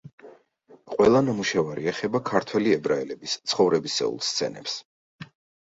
ყველა ნამუშევარი ეხება ქართველი ებრაელების ცხოვრებისეულ სცენებს.